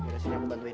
ya sini aku bantuin